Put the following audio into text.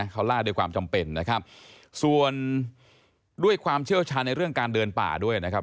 เขาล่าด้วยความจำเป็นนะครับส่วนด้วยความเชี่ยวชาญในเรื่องการเดินป่าด้วยนะครับ